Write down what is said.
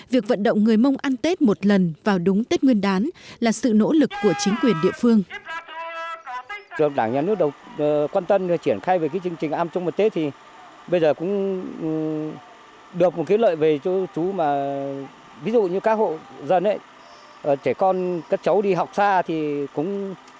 việc vận động người mông ăn tết một lần vào đúng tết nguyên đán là sự nỗ lực của chính quyền địa phương